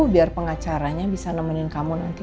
biar pengacaranya bisa nemenin kamu nanti